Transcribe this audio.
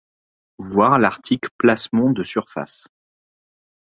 Voir l'article Plasmon de surface.